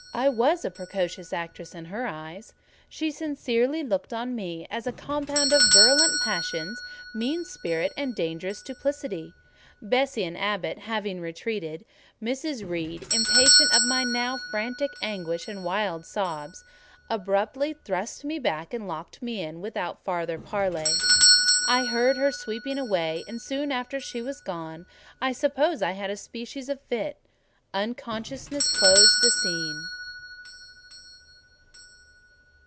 I was a precocious actress in her eyes; she sincerely looked on me as a compound of virulent passions, mean spirit, and dangerous duplicity. Bessie and Abbot having retreated, Mrs. Reed, impatient of my now frantic anguish and wild sobs, abruptly thrust me back and locked me in, without farther parley. I heard her sweeping away; and soon after she was gone, I suppose I had a species of fit: unconsciousness closed the scene.